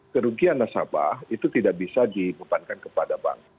kerugian nasabah itu tidak bisa dibebankan kepada bank